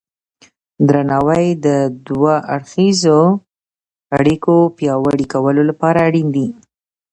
درناوی د دوه اړخیزو اړیکو پیاوړي کولو لپاره اړین دی.